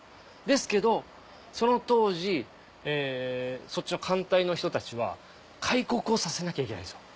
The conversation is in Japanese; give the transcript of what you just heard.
ですけどその当時そっちの艦隊の人たちは開国をさせなきゃいけないんですよ。